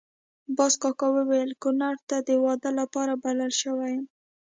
باز کاکا ویل کونړ ته د واده لپاره بلل شوی وم.